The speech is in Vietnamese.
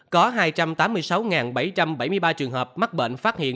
có hai trăm tám mươi sáu bảy trăm bảy mươi ba trường hợp mắc bệnh phát hiện